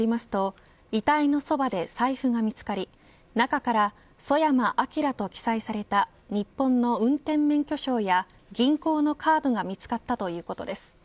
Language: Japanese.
ロシア外交政府によりますと遺体のそばで財布が見つかりソヤマ・アキラと記載された日本の運転免許証や銀行のカードが見付かったということです。